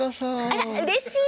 あらっうれしい！